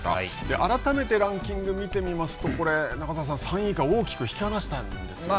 改めてランキングを見てみますとこれ、中澤さん３位以下を大きく引き離したんですよね。